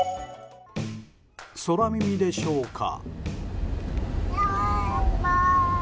空耳でしょうか。